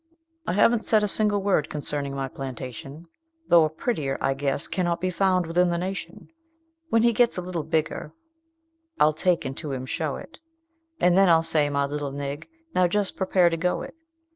"I haven't said a single word concerning my plantation, Though a prettier, I guess, cannot be found within the nation; When he gets a little bigger, I'll take and to him show it, And then I'll say, 'My little nig, now just prepare to go it!'